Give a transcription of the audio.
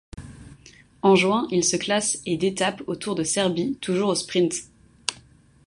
En juin, il se classe et d'étapes au Tour de Serbie, toujours au sprint.